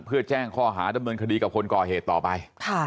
เพื่อแจ้งข้อหาดำเนินคดีกับคนก่อเหตุต่อไป